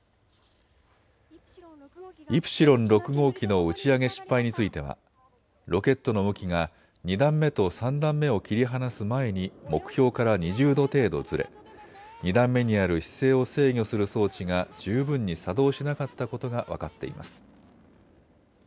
イプシロン６号機の打ち上げ失敗についてはロケットの向きが２段目と３段目を切り離す前に目標から２０度程度ずれ、２段目にある姿勢を制御する装置が十分に作動しなかったことが分かっています。